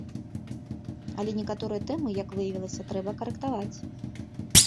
Але некаторыя тэмы, як выявілася, трэба карэктаваць.